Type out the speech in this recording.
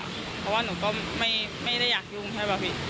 เพราะว่าหนูก็ไม่ได้อยากยุ่งใช่ป่ะพี่